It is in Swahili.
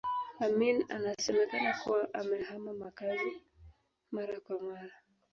Amin anasemekana kuwa amehama makazi mara kwa mara